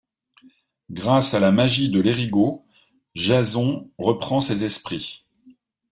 Grâce à la magie de Lerigot, Jason reprend ses esprits.